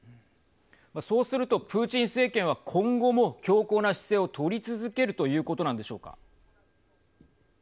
そうするとプーチン政権は今後も強硬な姿勢を取り続けるということなんでしょうか。